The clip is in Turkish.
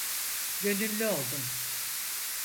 Gönüllü oldum.